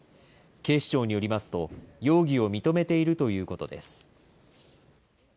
警視庁によりますと、容疑を認めているということです。